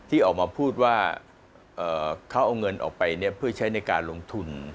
ที่ออกมาพูดว่าเขาเอาเงินออกไปเพื่อใช้ในการลงทุน